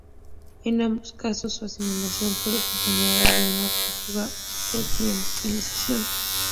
En ambos casos su asimilación fue acompañada de una profunda occidentalización.